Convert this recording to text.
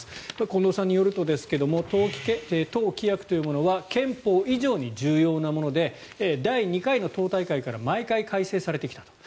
近藤さんによるとですが党規約というものは憲法以上に重要なもので第２回の党大会から毎回、改正されてきたと。